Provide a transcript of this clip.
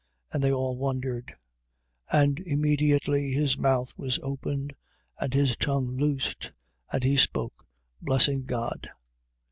And they all wondered. 1:64. And immediately his mouth was opened and his tongue loosed: and he spoke, blessing God.